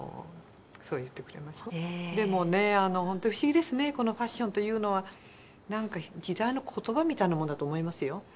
でもね本当不思議ですねこのファッションというのは。なんか時代の言葉みたいなものだと思いますよ。